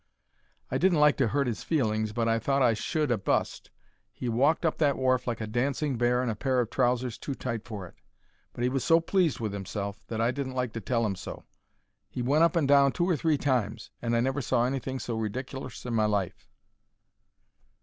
I didn't like to hurt 'is feelings, but I thought I should ha' bust. He walked up that wharf like a dancing bear in a pair of trousers too tight for it, but 'e was so pleased with 'imself that I didn't like to tell 'im so. He went up and down two or three times, and I never saw anything so ridikerlous in my life.